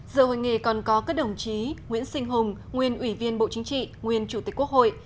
giờ hội nghị còn có các đồng chí nguyễn sinh hùng nguyên ubnd nguyên chủ tịch quốc hội